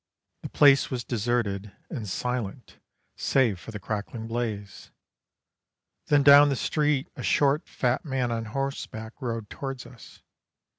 The place was deserted and silent save for the crackling blaze. Then down the street a short, fat man on horseback rode towards us.